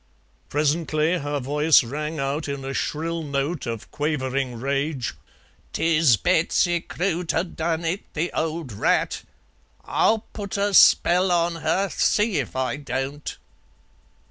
Presently her voice rang out in a shrill note of quavering rage: "'Tis Betsy Croot adone it, the old rat. I'll put a spell on her, see if I don't."